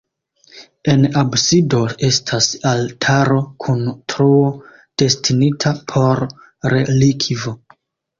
En absido estas altaro kun truo destinita por relikvo.